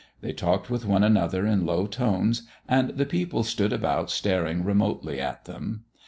They talked with one another in low tones, and the people stood about staring remotely at them.